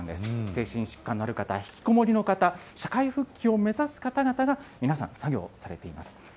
精神疾患のある方、引きこもりの方、社会復帰を目指す方々が、皆さん作業されています。